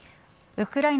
ウクライナ